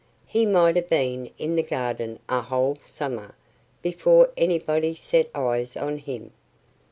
He might have been in the garden a whole summer before anybody set eyes on him.